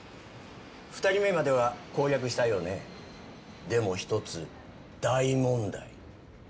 ２人目までは攻略したようねでも一つ大問題